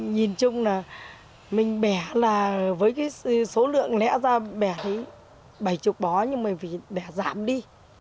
nhìn chung là mình bẻ là với số lượng lẽ ra bẻ thấy bảy mươi bó nhưng mà bẻ giảm đi